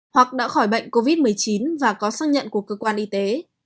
hoặc đã khỏi bệnh covid một mươi chín và có xác nhận của cơ quan y tế